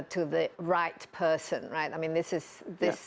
diterima oleh orang yang benar